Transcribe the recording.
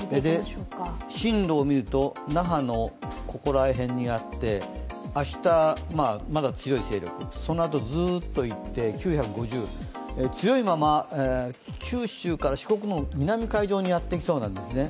進路を見ると、那覇のここら辺にあって、明日、まだ強い勢力そのあとずっといって９５０、強いまま、九州から四国の南海上にやってきそうなんですね。